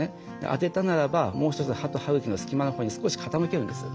当てたならばもう一つ歯と歯茎の隙間のほうに少し傾けるんです。